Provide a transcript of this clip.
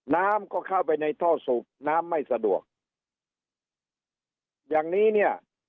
น้ำก็เข้าไปในท่อสูบน้ำไม่สะดวกอย่างนี้เนี่ย